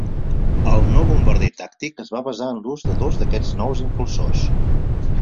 El no bombarder tàctic es va basar en l'ús de dos d'aquests nous impulsors.